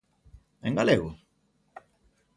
En galego?